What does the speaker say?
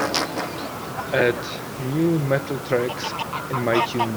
add new metal tracks in my tune